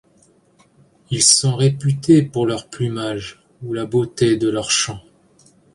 Ils sont réputés pour leur plumage ou la beauté de leurs chants.